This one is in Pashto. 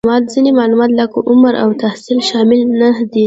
ځینې معلومات لکه عمر او تحصیل شامل نهدي